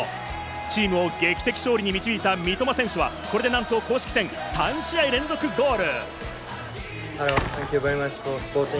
チームを劇的勝利に導いた三笘選手はこれで、なんと公式戦３試合連続ゴール。